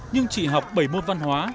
nhưng chỉ học bảy môn văn hóa